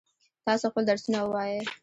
تاسو خپل درسونه ووایئ.